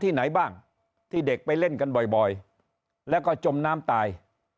ไหนบ้างที่เด็กไปเล่นกันบ่อยแล้วก็จมน้ำตาย